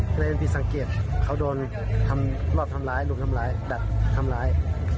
ก็เลยเป็นผิดสังเกตเขาโดนทำรอบทำร้ายรุมทำร้ายดัดทำร้าย